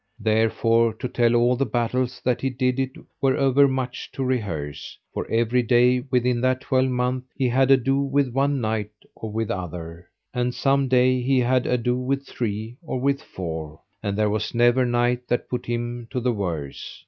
Therefore to tell all the battles that he did it were overmuch to rehearse, for every day within that twelvemonth he had ado with one knight or with other, and some day he had ado with three or with four; and there was never knight that put him to the worse.